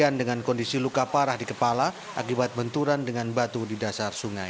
bagian dengan kondisi luka parah di kepala akibat benturan dengan batu di dasar sungai